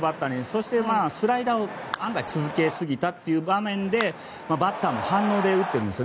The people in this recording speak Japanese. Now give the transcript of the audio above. そして、スライダーを続けすぎたという場面でバッターの反応で打っているんです。